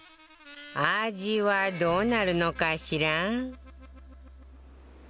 味はどうなるのかしら？